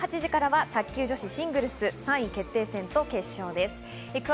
午後８時からは卓球女子シングルス、３位決定戦と決勝です。